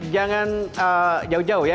jangan jauh jauh ya